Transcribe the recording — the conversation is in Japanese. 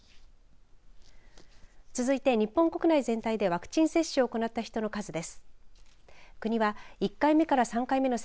続いて、日本国内全体でワクチン接種を行った人の数です。